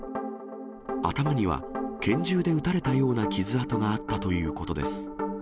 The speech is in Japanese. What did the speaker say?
頭には拳銃で撃たれたような傷痕があったということです。